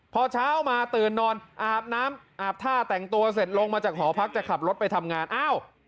พอเช้ามาตื่นนอนอาบน้ำอาบท่าแต่งตัวเสร็จลงมาจากหอพักจะขับรถไปทำงานอ้าว